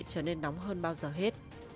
trở nên nóng hơn bao giờ hết